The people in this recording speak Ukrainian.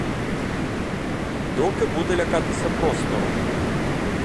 Доки буде лякатися простору?